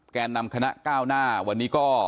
แก่นำคณะก้าวหน้าวันนี้ก็